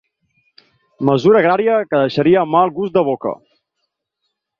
Mesura agrària que deixa mal gust de boca.